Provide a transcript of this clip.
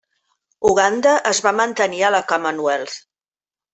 Uganda es va mantenir a la Commonwealth.